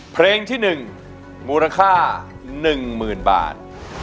เพลงที่๑มูลค่า๑๐๐๐บาท